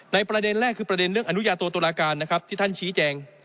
ประเด็นแรกคือประเด็นเรื่องอนุญาโตตุลาการนะครับที่ท่านชี้แจง